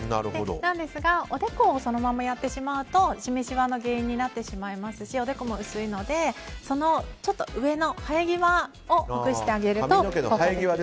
なんですが、おでこをそのままやってしまうとシミ、しわの原因になってしまいますしおでこも薄いので、ちょっと上の生え際をほぐしてあげると。